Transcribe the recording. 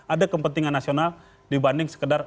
ada kepentingan nasional dibanding sekedar